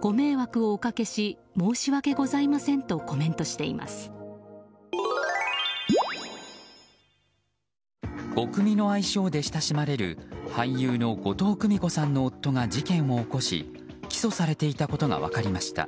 ゴクミの愛称で親しまれる俳優の後藤久美子さんの夫が事件を起こし起訴されていたことが分かりました。